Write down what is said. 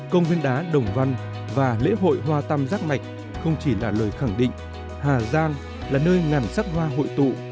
công viên đá đồng văn và lễ hội hoa tăm giác mạch không chỉ là lời khẳng định hà giang là nơi ngàn sắc hoa hội tụ